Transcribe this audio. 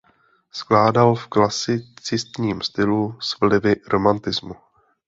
Skládal v klasicistním stylu s vlivy romantismu.